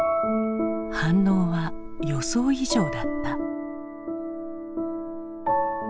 反応は予想以上だった。